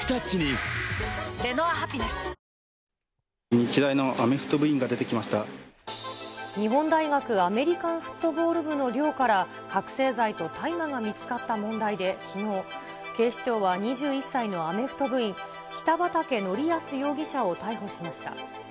日大のアメフト部員が出てき日本大学アメリカンフットボール部の寮から覚醒剤と大麻が見つかった問題で、きのう、警視庁は２１歳のアメフト部員、北畠成文容疑者を逮捕しました。